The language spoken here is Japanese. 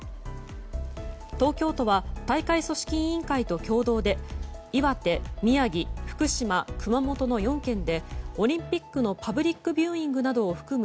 東京都は大会組織委員会と共同で岩手、宮城、福島、熊本の４県でオリンピックのパブリックビューイングなどを含む